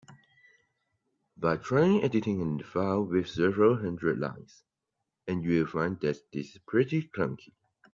But try editing a file with several hundred lines, and you'll find that this is pretty clunky.